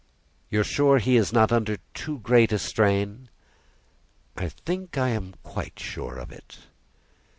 "You are sure that he is not under too great a strain?" "I think I am quite sure of it."